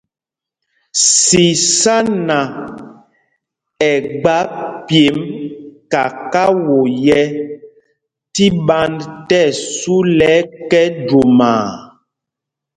Sisána ɛ́ gba pyemb kakao yɛ́ tí ɓand tí ɛsu lɛ ɛkɛ jwomaa.